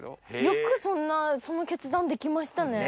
よくその決断できましたね。